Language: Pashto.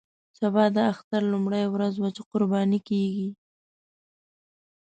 سبا د اختر لومړۍ ورځ وه چې قرباني کېږي.